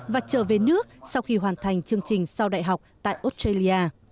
và trở về nước sau khi hoàn thành chương trình sau đại học tại australia